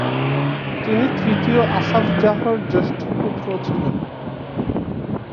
তিনি তৃতীয় আসাফ জাহর জ্যেষ্ঠ পুত্র ছিলেন।